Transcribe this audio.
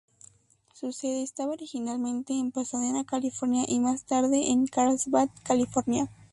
Su sede estaba originalmente en Pasadena, California y más tarde en Carlsbad, California.